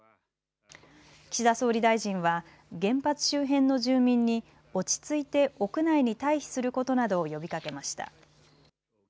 岸田総理大臣は原発周辺の住民に落ち着いて屋内に待避することなどを呼びかけました。